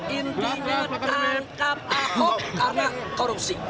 intinya tangkap ahok karena korupsi